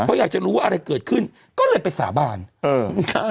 เขาอยากจะรู้ว่าอะไรเกิดขึ้นก็เลยไปสาบานเออ